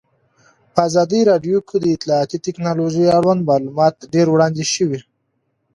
په ازادي راډیو کې د اطلاعاتی تکنالوژي اړوند معلومات ډېر وړاندې شوي.